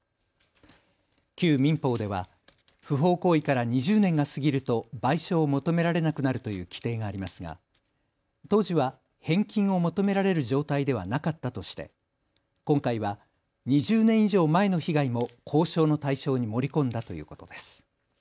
旧民法では不法行為から２０年が過ぎると賠償を求められなくなるという規定がありますが当時は返金を求められる状態ではなかったとして、今回は２０年以上前の被害も交渉の対象に盛り込んだということです。